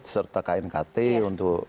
serta knkt untuk